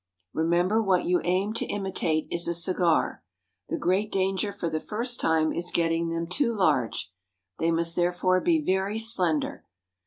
Remember what you aim to imitate is a cigar. The great danger for the first time is getting them too large; they must therefore be very slender.